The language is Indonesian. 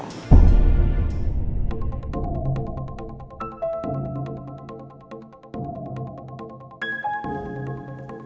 bukan urusan lo